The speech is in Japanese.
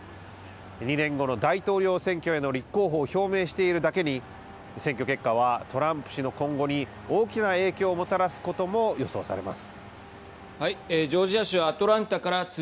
２年後の大統領選挙への立候補を表明しているだけに選挙結果はトランプ氏の今後に大きな影響をもたらすことも予想されます。